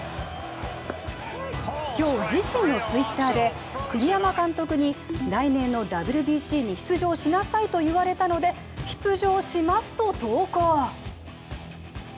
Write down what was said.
今日、自身のＴｗｉｔｔｅｒで、栗山監督に来年のＷＢＣに出場しなさいと言われたので出場しますと投稿。